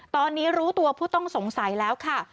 ตอนนี้รู้ตัวผู้ต้องสงสัยแล้วค่ะ